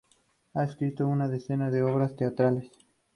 Ha escrito una decena de obras teatrales.